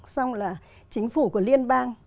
xong là chính phủ của liên bang